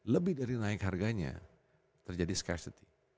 lebih dari naik harganya terjadi scarsity